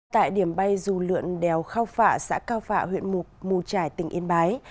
tại điểm bay dù lượn đèo khao phạ xã khao phạ huyện mục mù trải tỉnh yên bái